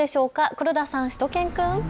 黒田さん、しゅと犬くん。